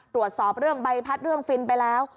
ตรวจสอบเรื่องใบพัดเรื่องฟินไปแล้ว